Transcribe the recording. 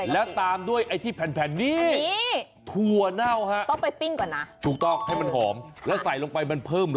และตามด้วยไอ้ที่แผ่นนี้